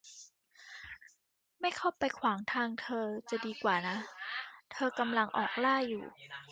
ไม่เข้าไปขวางทางเธอจะดีกว่านะ เธอกำลังออกล่าอยู่